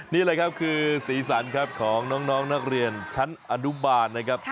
นี่แหละครับคือสีสันครับของน้องนักเรียนชั้นอนุบาลนะครับ